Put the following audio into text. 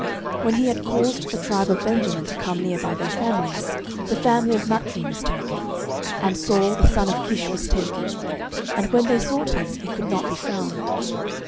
09:010:021 When he had caused the tribe of Benjamin to come near by their families, the family of Matri was taken, and Saul the son of Kish was taken: and when they sought him, he could not be found.